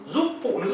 giúp phụ nữ